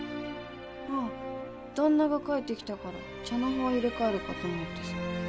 ああ旦那が帰ってきたから茶の葉を入れ替えるかと思ってさ。